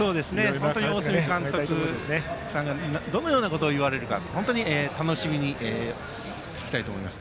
大角監督さんがどのようなことを言われるか本当に楽しみに聞きたいと思います。